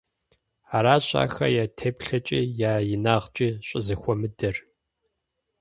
Аращ ахэр я теплъэкIи я инагъкIи щIызэхуэмыдэр.